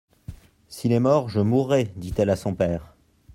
S'il est mort, je mourrai, dit-elle à son père.